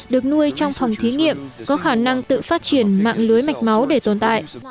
được nuôi trong phòng thí nghiệm có khả năng tự phát triển mạng lưới mạch máu để tồn tại